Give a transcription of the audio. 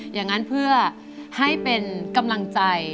อย่างนั้นเพื่อให้เป็นกำลังใจ